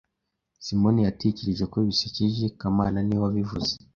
Simoni yatekereje ko bisekeje kamana niwe wabivuze